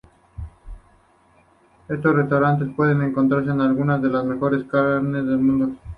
En estos restaurantes pueden encontrarse algunas de las mejores carnes del mundo.